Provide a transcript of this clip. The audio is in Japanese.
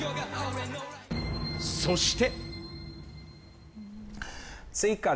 そして。